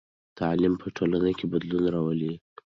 تعلیم په ټولنه کې بدلون راولي.